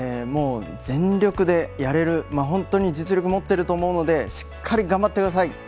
全力でやれる本当に実力を持ってると思うのでしっかり頑張ってください。